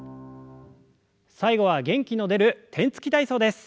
最後は元気の出る天つき体操です。